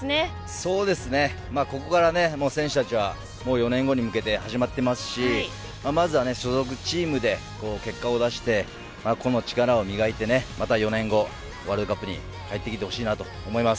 そうですね、ここから選手たちはもう４年後に向けて始まってますしまずは所属チームで結果を出して個の力を磨いて、また４年後ワールドカップに帰ってきてほしいと思います。